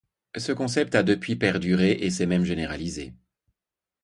Ce concept a depuis perduré, et s'est même généralisé.